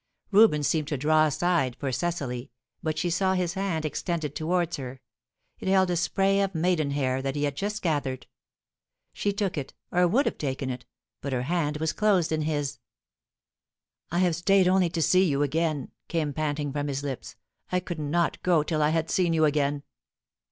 Reuben seemed to draw aside for Cecily, but she saw his hand extended towards her it held a spray of maidenhair that he had just gathered. She took it, or would have taken it, but her hand was closed in his. "I have stayed only to see you again," came panting from his lips. "I could not go till I had seen you again!"